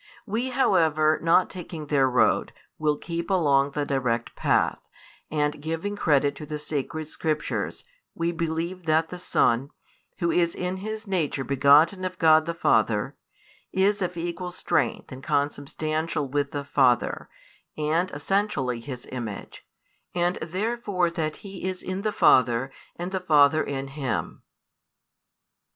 We, however, not taking their road, will keep along the direct path; |291 and, giving credit to the Sacred Scriptures, we believe that the Son, Who is in His nature begotten of God the Father, is of equal strength and Consubstantial with the Father, and essentially His Image; and therefore that He is in the Father, and the Father in Him.